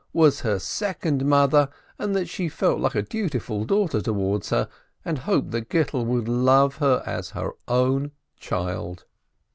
was her second mother, and she felt like a dutiful daughter towards her, and hoped that Gittel would love her as her own child.